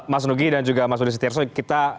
mas nugi dan juga mas budi setirsoy kita